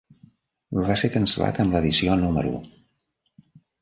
Va ser cancel·lat amb l'edició número.